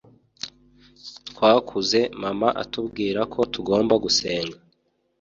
twakuze mama atubwira ko tugomba gusenga